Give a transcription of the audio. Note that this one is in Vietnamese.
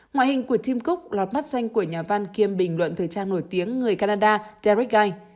ngoại hình của tìm cúc lót mắt xanh của nhà văn kiêm bình luận thời trang nổi tiếng người canada derek guy